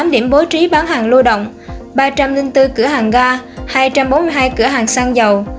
tám trăm ba mươi tám điểm bố trí bán hàng lưu động ba trăm linh bốn cửa hàng ga hai trăm bốn mươi hai cửa hàng xăng dầu